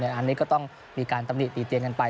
อันนี้ก็ต้องมีการตำหนิติเตียนกันไป